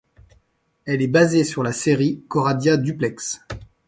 Elle est basées sur la série Coradia Duplex.